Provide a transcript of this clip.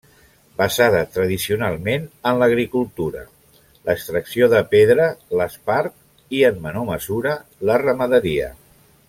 Basada tradicionalment en l'agricultura, l'extracció de pedra, l'espart i, en menor mesura, la ramaderia.